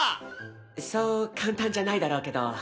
そう簡単じゃないだろうけど。